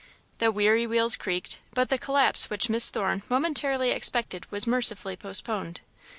The weary wheels creaked, but the collapse which Miss Thorne momentarily expected was mercifully postponed.